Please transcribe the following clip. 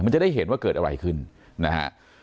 มันจะได้เห็นว่าเกิดอะไรขึ้นนะฮะ